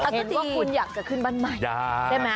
เห็นว่าคุณอยากจะขึ้นบ้านใหม่